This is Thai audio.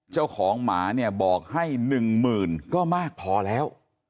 เจ้าของหมาเนี่ยบอกให้๑หมื่นก็มากพอแล้ว